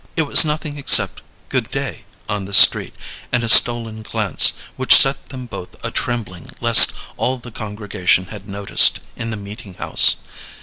It was nothing except a "good day" on the street, and a stolen glance, which set them both a trembling lest all the congregation had noticed, in the meeting house.